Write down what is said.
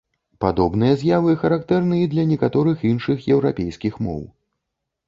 Падобныя з'явы характэрны і для некаторых іншых еўрапейскіх моў.